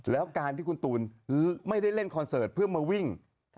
แล้วการที่คุณตูนไม่ได้เล่นคอนเสิร์ตเพื่อมาวิ่ง